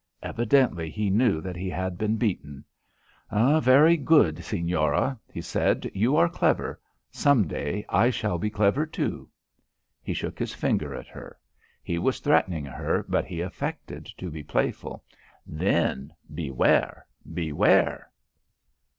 Evidently he knew that he had been beaten. "Very good, Señora," he said. "You are clever; some day I shall be clever, too." He shook his finger at her. He was threatening her but he affected to be playful. "Then beware! Beware!"